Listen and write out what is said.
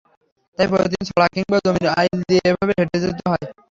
তাই প্রতিদিন ছড়া কিংবা জমির আইল দিয়ে এভাবেই হেঁটে যেতে হয়।